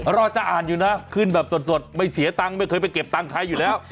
รอจะอ่านอยู่นะขึ้นแบบสดไม่เสียตังค์ไม่เคยไปเก็บตังค์ใครอยู่แล้ว